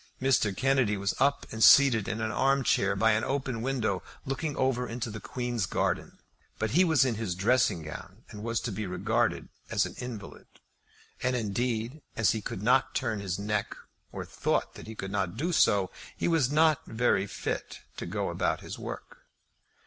Mr. Kennedy was up and seated in an arm chair by an open window looking over into the Queen's garden; but he was in his dressing gown, and was to be regarded as an invalid. And indeed as he could not turn his neck, or thought that he could not do so, he was not very fit to go out about his work.